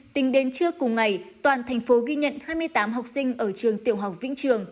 tính đến trưa cùng ngày toàn thành phố ghi nhận hai mươi tám học sinh ở trường tiểu học vĩnh trường